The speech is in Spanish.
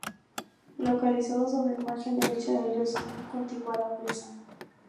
Localizado sobre la margen derecha del Río Sinú y contiguo a la presa.